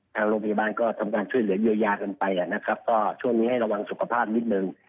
ทางโรงพยาบาลก็ทำการช่วยเหลือเยียวยากันไปนะครับก็ช่วงนี้ให้ระวังสุขภาพนิดนึง